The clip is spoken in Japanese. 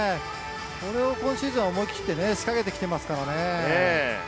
これを今シーズン思い切って仕掛けて来てますからね。